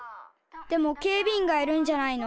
でもけいびいんがいるんじゃないの？